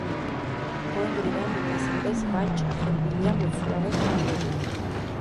ნოემბრიდან ივნისამდე ზღვა ჩახერგილია მოცურავე ყინულებით.